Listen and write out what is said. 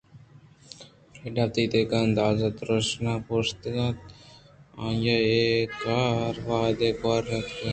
فریڈا ءِ وتی دگہ انداز ءُدرشانءُ پوشاک اِت اَنت کہ آئیءَ اِدا کار ءِ وہداں گوٛراکُتگ اَت